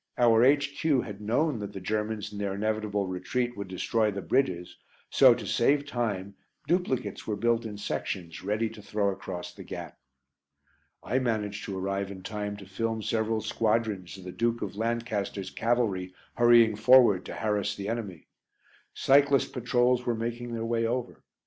Our H.Q. had known that the Germans in their inevitable retreat would destroy the bridges, so, to save time, duplicates were built in sections, ready to throw across the gap. I managed to arrive in time to film several squadrons of the Duke of Lancaster's cavalry hurrying forward to harass the enemy. Cyclist patrols were making their way over.